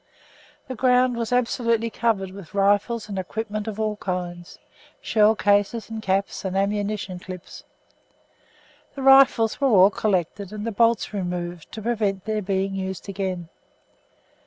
The ground was absolutely covered with rifles and equipment of all kinds, shell cases and caps, and ammunition clips. The rifles were all collected and the bolts removed to prevent their being used again.